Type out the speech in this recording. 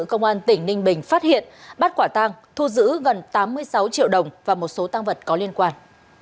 công an tỉnh ninh bình phát hiện bắt quả tang thu giữ gần tám mươi sáu triệu đồng và một số tăng vật có liên quan